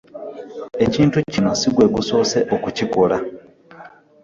Ekintu kino si gwe gusoose okukikola.